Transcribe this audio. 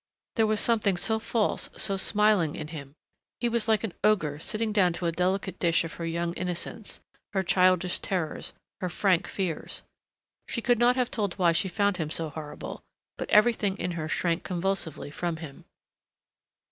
There was something so false, so smiling in him... he was like an ogre sitting down to a delicate dish of her young innocence, her childish terrors, her frank fears.... She could not have told why she found him so horrible, but everything in her shrank convulsively from him.